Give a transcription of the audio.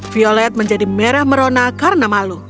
violet menjadi merah merona karena malu